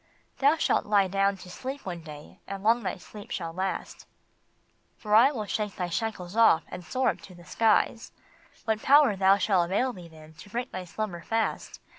"Thou shalt lie down to sleep one day, and long that sleep shall last, For I will shake thy shackles off and soar up to the skies ; What power shall avail thee then to break thy slumber fast?